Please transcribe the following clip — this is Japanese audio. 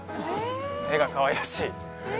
絵が、かわいらしい。